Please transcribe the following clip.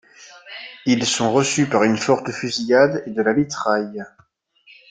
Ils sont reçus par une forte fusillade et de la mitraille.